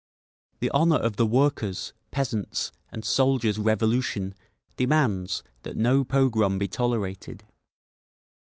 The honour of the Workers', Peasants' and Soldiers' Revolution demands that no pogrom be tolerated.